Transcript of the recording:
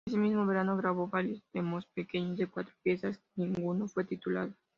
Ese mismo verano grabó varios demos pequeños de cuatro piezas, ninguno fue titulado.